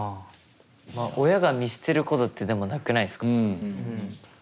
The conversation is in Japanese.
親が見捨てることってでもなくないですか？